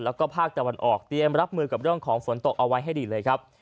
แล้วก็ภาคตะวันออกเตรียมรับมือกับเรื่องของฝนตกเอาไว้ให้ดีเลยครับ